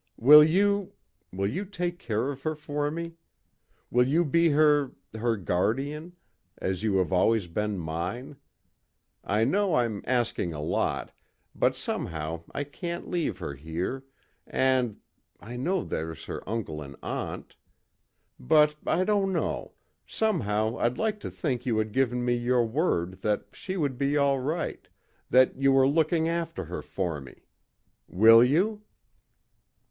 Will you will you take care of her for me? Will you be her her guardian, as you have always been mine? I know I'm asking a lot, but somehow I can't leave her here, and I know there's her uncle and aunt. But, I don't know, somehow I'd like to think you had given me your word that she would be all right, that you were looking after her for me. Will you?"